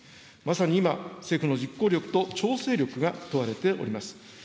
まさに今、政府の実行力と調整力が問われております。